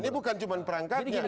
ini bukan cuma perangkatnya